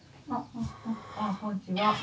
あこんにちは。